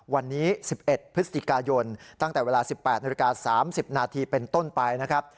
วันนี้๑๑พฤศจิกายนตั้งแต่เวลา๑๘นาฬิกา๓๐นาทีเป็นต้นไปนะครับ